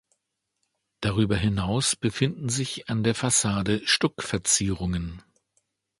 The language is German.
Darüber hinaus befinden sich an der Fassade Stuckverzierungen.